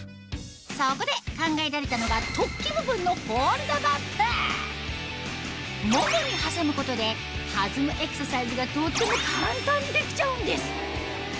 そこで考えられたのが突起部分のももに挟むことで弾むエクササイズがとっても簡単にできちゃうんです